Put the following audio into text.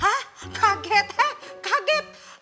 hah kaget hah kaget